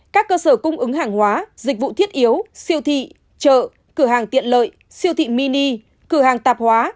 các cơ sở cung ứng hàng hóa dịch vụ thiết yếu siêu thị chợ cửa hàng tiện lợi siêu thị mini cửa hàng tạp hóa